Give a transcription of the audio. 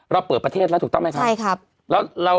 เปิดประเทศแล้วถูกต้องไหมครับ